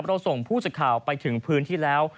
เราส่งผู้สื่อข่าวไปถึงพื้นที่แล้ว